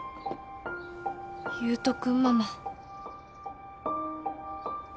優斗君ママ。